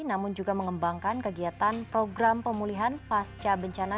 namun juga mengembangkan kegiatan program pemulihan pasca bencana